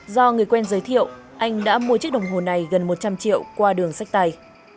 do người quen giới thiệu anh đã mua chiếc đồng hồ này gần một trăm linh triệu qua đường sách tay